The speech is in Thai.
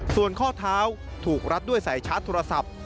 ส่วนข้อเท้าถูกรัดด้วยสายชาร์จโทรศัพท์